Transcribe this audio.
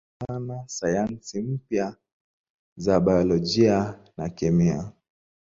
Alipenda sana sayansi mpya za biolojia na kemia.